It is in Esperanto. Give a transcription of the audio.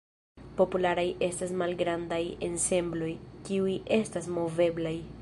Popularaj estas malgrandaj ensembloj, kiuj estas moveblaj.